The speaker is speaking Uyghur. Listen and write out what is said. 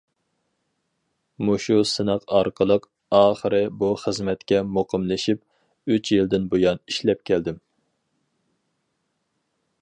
مۇشۇ سىناق ئارقىلىق، ئاخىرى بۇ خىزمەتكە مۇقىملىشىپ، ئۈچ يىلدىن بۇيان ئىشلەپ كەلدىم.